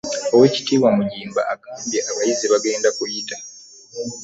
Oweekitiibwa Mugimba agamba abayizi bagenda kuyita